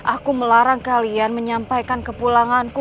aku melarang kalian menyampaikan kepulanganku